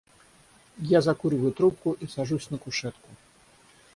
Я закуриваю трубку и сажусь на кушетку.